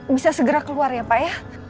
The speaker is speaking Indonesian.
bisa segera keluar ya pak ya